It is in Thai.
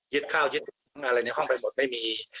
ข้าวยึดอะไรในห้องไปหมดไม่มี